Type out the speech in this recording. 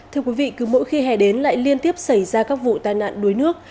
thưa quý vị cứ mỗi khi hè đến lại liên tiếp xảy ra các vụ tai nạn đuối nước